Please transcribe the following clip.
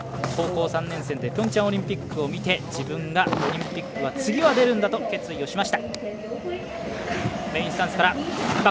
高校３年生でピョンチャンオリンピックを見て自分がオリンピック次は出るんだと決意をしました。